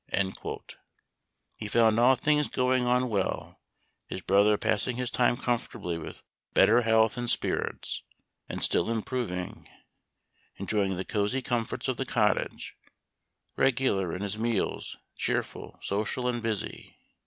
He found all things going on well, his brother pass ing his time comfortably with better health and 248 Memoir of Washington Irving. spirits, and still improving, enjoying the cosy comforts of the cottage, regular in his meals, cheerful, social, and busy.